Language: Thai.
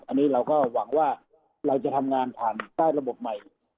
อันนี้เราก็หวังว่าเราจะทำงานผ่านใต้ระบบใหม่